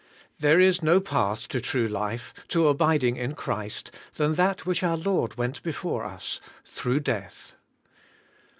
There is no path to true life, to abiding in Christ, than that which our Lord went before us — through death.